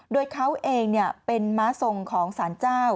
โดยเขาเองเป็นม้าทรงของสารเจ้า